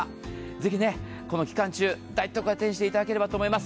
ぜひこの期間中、大特価で手にしていただければと思います。